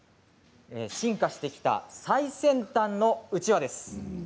進化してきた最先端のうちわです。